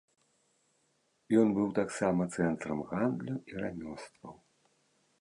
Ён быў таксама цэнтрам гандлю і рамёстваў.